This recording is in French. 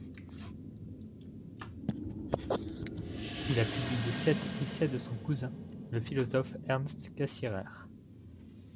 Il a publié sept essais de son cousin, le philosophe Ernst Cassirer.